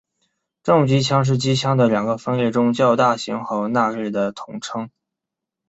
重机枪是机枪的两个分类中较大型号那类的统称。